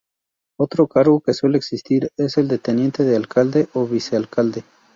Otro cargo que suele existir es el de teniente de alcalde o vicealcalde.